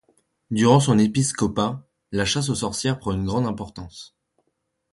Durant son épiscopat, la chasse aux sorcières prend une grande importance.